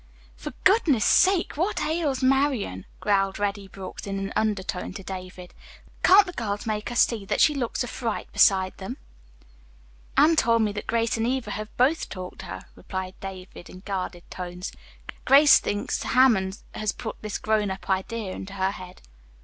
"For goodness sake, what ails Marian!" growled Reddy Brooks in an undertone to David. "Can't the girls make her see that she looks like a fright beside them?" "Anne told me that Grace and Eva have both talked to her," replied David in guarded tones. "Grace thinks Hammond has put this grown up idea into her head."